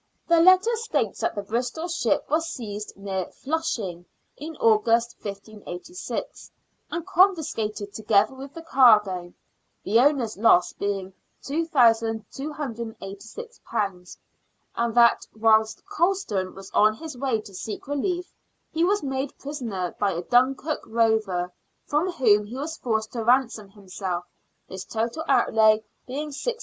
Their letter states that the Bristol ship was seized near Flushing in August, 1586, and confiscated, together with the cargo, the owner's loss being £2,286 ; and that, whilst Colston was on his way to seek relief, he was made prisoner by a Dunkirk rover, from whom he was forced to ransom himself, his total outlay being £600.